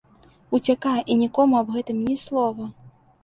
Уцякай і нікому аб гэтым ні слова!